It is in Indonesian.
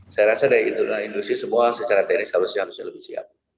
saya rasa dari industri semua secara teknis harusnya lebih siap